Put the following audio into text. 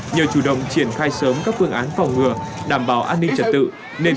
nhờ chủ động triển khai sớm các phương án phòng ngừa đảm bảo an ninh trật tự